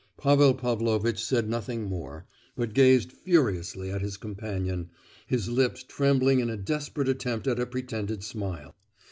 Pavel Pavlovitch said nothing more, but gazed furiously at his companion, his lips trembling in a desperate attempt at a pretended smile.